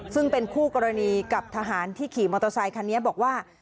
ซึ่งเป็นคู่กรณีกับทหารที่ขี่มอเตอร์ไซคันนี้บอกว่า